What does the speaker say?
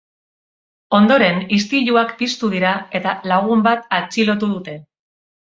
Ondoren istiluak piztu dira eta lagun bat atxilotu dute.